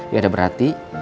ya udah berarti